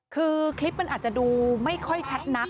คือคลิปมันอาจจะดูไม่ค่อยชัดนัก